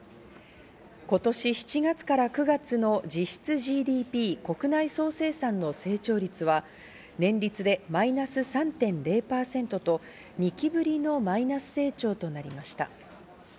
今年７月から９月の実質ＧＤＰ＝国内総生産の成長率は年率でマイナス３．０％と、２期ぶりのマイナス成長となりました。